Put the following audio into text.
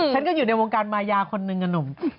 ฉันก็อยู่ในวงการมายาคนนึงอะหนุ่ม